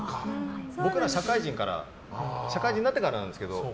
僕ら社会人になってからなんですけど。